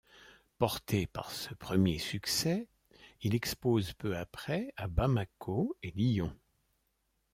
Porté par ce premier succès, il expose peu après à Bamako et Lyon.